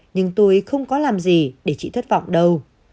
nhưng tôi không có làm gì để chị thất vọng đâu